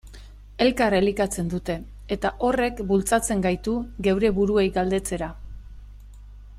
Elkar elikatzen dute, eta horrek bultzatzen gaitu geure buruei galdetzera.